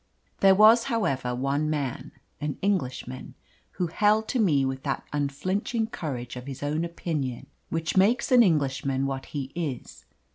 There was, however, one man an Englishman who held to me with that unflinching courage of his own opinion which makes an Englishman what he is.